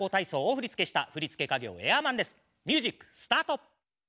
ミュージックスタート！